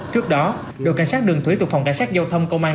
trước đó đội cảnh sát đường thủy thuộc phòng cảnh sát giao thông công an